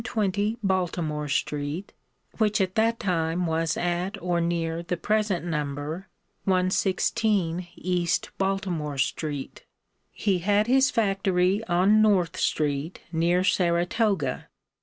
120 Baltimore street, which at that time was at or near the present number, 116 East Baltimore street. He had his factory on North street near Saratoga.